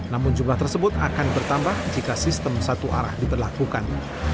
namun jumlah tersebut akan bertambah jika sistem satu arah diberlakukan